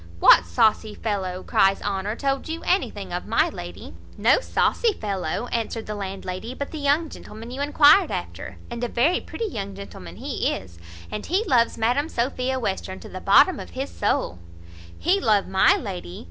"What saucy fellow," cries Honour, "told you anything of my lady?" "No saucy fellow," answered the landlady, "but the young gentleman you enquired after, and a very pretty young gentleman he is, and he loves Madam Sophia Western to the bottom of his soul." "He love my lady!